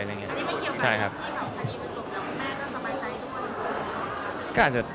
อันนี้มันเกี่ยวกับเกี่ยวกับที่เขาทีมันจบแล้วแม่ต้องสบายใจทุกคน